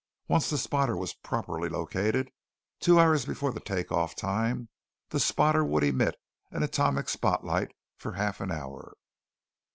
Once the spotter was properly located, two hours before the take off time the spotter would emit an atomic spotlight for a half hour.